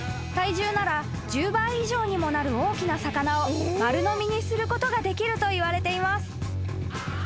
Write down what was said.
［体重なら１０倍以上にもなる大きな魚を丸のみにすることができるといわれています］